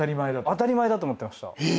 当たり前だと思ってました。